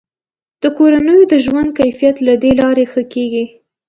د کورنیو د ژوند کیفیت له دې لارې ښه کیږي.